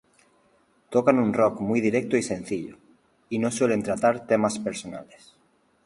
Tocan un rock muy directo y sencillo, y no suelen tratar temas personales.